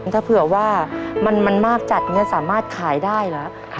ถ้าเผื่อว่ามันมากจัดสามารถขายได้หรือ